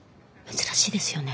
珍しいですよね。